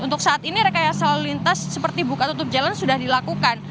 untuk saat ini rekayasa lalu lintas seperti buka tutup jalan sudah dilakukan